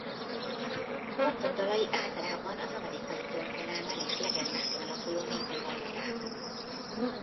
Horton dalai általában az amerikai történelmen és legendákon alapuló népi balladák.